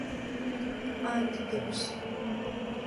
აადიდებს